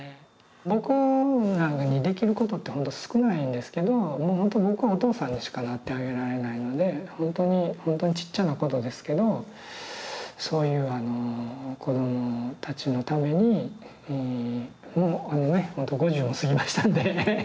僕なんかにできることってほんと少ないんですけどほんと僕お父さんにしかなってあげられないのでほんとにほんとにちっちゃなことですけどそういうあの子どもたちのためにもうあのねほんと５０を過ぎましたんでね